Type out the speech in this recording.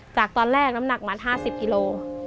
จากตอนแรกน้ำหนักมัน๕๐กิโล